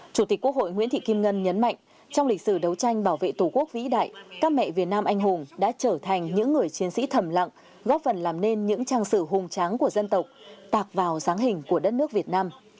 chủ tịch quốc hội nguyễn thị kim ngân nhấn mạnh trong lịch sử đấu tranh bảo vệ tổ quốc vĩ đại các mẹ việt nam anh hùng đã trở thành những người chiến sĩ thầm lặng góp phần làm nên những trang sử hùng tráng của dân tộc tạc vào ráng hình của đất nước việt nam